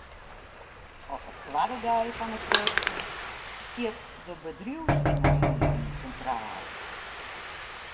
Op 'e twadde dei fan 'e kursus stiet de bedriuwsfinansiering sintraal.